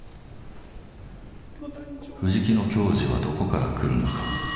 藤木の矜持はどこからくるのか。